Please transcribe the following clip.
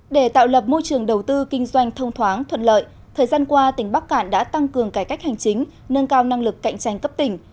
để tạo lập môi trường đầu tư kinh doanh thông thoáng thuận lợi thời gian qua tỉnh bắc cạn đã tăng cường cải cách hành chính nâng cao năng lực cạnh tranh cấp tỉnh